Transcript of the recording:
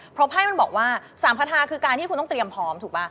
เพราะไพ่มันบอกว่าสามคาทาคือการที่คุณต้องเตรียมพร้อมถูกป่ะ